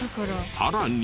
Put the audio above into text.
さらに。